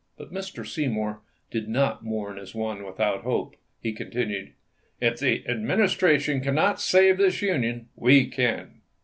But Mr. Seymour did not mourn as one without hope. He continued: "If the Administration cannot save this Union, we can.